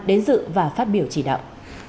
đến dự và phát biểu chỉ đạo